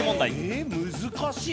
ええ難しい！